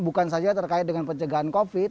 bukan saja terkait dengan pencegahan covid